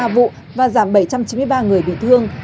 sáu mươi ba vụ và giảm bảy trăm chín mươi ba người bị thương